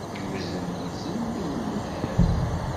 Yuzen izen i unemhal.